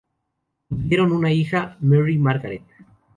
Tuvieron una hija, Mary Margaret.